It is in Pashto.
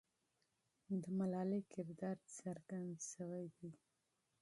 د ملالۍ کردار څرګند سوی دی.